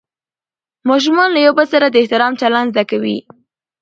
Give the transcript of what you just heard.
ماشومان له یو بل سره د احترام چلند زده کوي